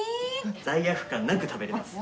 罪悪感なく食べられます。